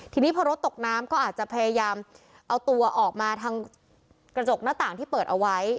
ทีนี้พอรถตกน้ำก็อาจจะพยายามเอาตัวออกมาทางกระจกหน้าต่างที่เปิดเอาไว้